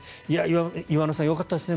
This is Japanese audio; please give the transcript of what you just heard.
岩村さん、よかったですね。